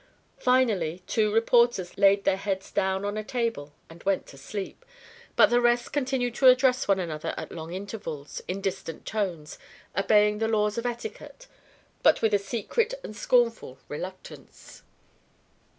Finally two reporters laid their heads down on a table and went to sleep, but the rest continued to address one another at long intervals, in distant tones, obeying the laws of etiquette, but with a secret and scornful reluctance.